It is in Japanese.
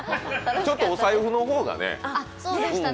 ちょっとお財布の方がね。